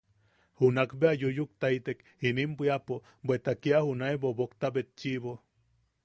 Junak bea yuyuktaitek inim bwiapo, bweta kia junae bobokta betchiʼibo.